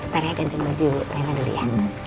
tarik gantian baju rena dulu ya